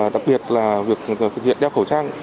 đặc biệt là việc thực hiện đeo khẩu trang